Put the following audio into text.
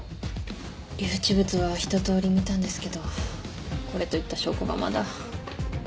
留置物は一通り見たんですけどこれといった証拠がまだ。